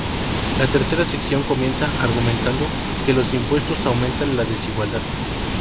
La tercera sección comienza argumentando que los impuestos aumentan la desigualdad.